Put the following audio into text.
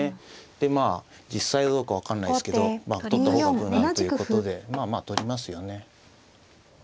でまあ実際よく分かんないですけど取った方が無難ということでまあまあ取りますよね。